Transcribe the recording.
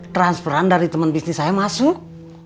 transferan dari teman bisnis saya masuk